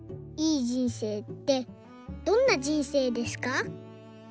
いい人生ってどんな人生ですか？」。